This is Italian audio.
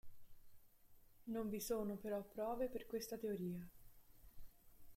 Non vi sono però prove per questa teoria.